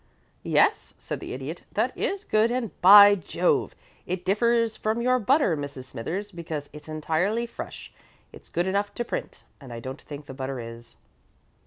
"Yes," said the Idiot. "That is good, and, by Jove! it differs from your butter, Mrs. Smithers, because it's entirely fresh. It's good enough to print, and I don't think the butter is."